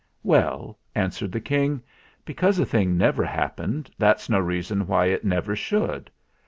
"Well," answered the King, "because a thing never happened, that's no reason why it never should.